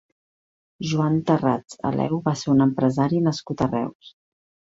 Joan Tarrats Aleu va ser un empresari nascut a Reus.